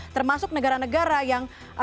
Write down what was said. termasuk negara negara yang